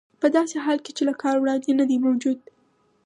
په داسې حال کې چې کار له وړاندې نه دی موجود